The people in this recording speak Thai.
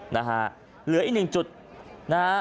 นะฮะเหลืออีกหนึ่งจุดนะฮะ